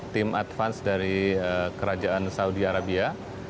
tim advance dari kerajaan saudi arabia